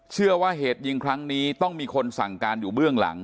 เชื่อว่าเหตุยิงครั้งนี้ต้องมีคนสั่งการอยู่เบื้องหลัง